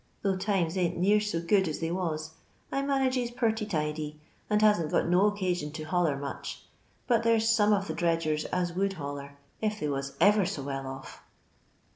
Tho' times ain't near so good as they was, I manages purty tidy, and hasn't got no occasion to hoUor much ; but there 's some of the dredgers as would hoUor, if they was ever so well off."